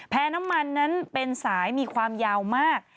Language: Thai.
น้ำมันนั้นเป็นสายมีความยาวมาก